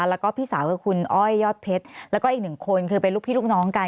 แล้วก็พี่สาวคือคุณอ้อยยอดเพชรแล้วก็อีกหนึ่งคนคือเป็นลูกพี่ลูกน้องกัน